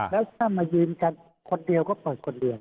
แล้วถ้ามายืนกันคนเดียวก็เปิดคนเดียว